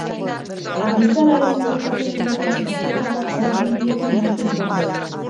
Amigdalarekin gertatzen den moduan, batzuetan aho-gingilekin nahasten dute.